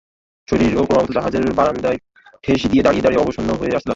শরীরও ক্রমাগত জাহাজের বারাণ্ডায় ঠেস দিয়ে দাঁড়িয়ে দাঁড়িয়ে অবসন্ন হয়ে আসতে লাগল।